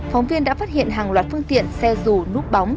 phóng viên đã phát hiện hàng loạt phương tiện xe dù núp bóng